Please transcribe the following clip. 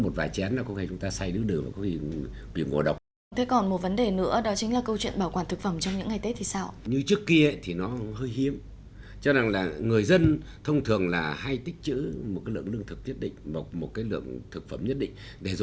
còn một vấn đề nữa đó chính là câu chuyện bảo quản thực phẩm trong những ngày tết thì sao